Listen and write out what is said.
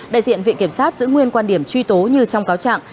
đại diện viện kiểm sát giữ nguyên quan điểm truy tố như trong cáo trạng